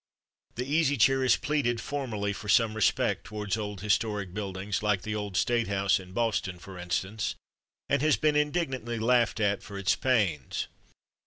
The Easy Chair has pleaded formerly for some respect towards old historic buildings, like the old State house in Boston, for instance, and has been indignantly laughed at for its pains.